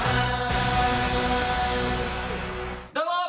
どうも。